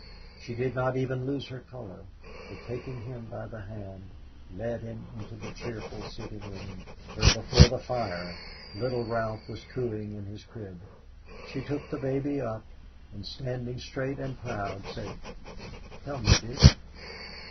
She did not even lose her color, but, taking him by the hand, led him into the cheerful sitting room where, before the fire, little Ralph was cooing in his crib. She took the baby up, and standing straight and proud, said, "Tell me, Dick."